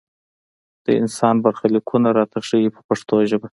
د انسان برخلیکونه راته ښيي په پښتو ژبه.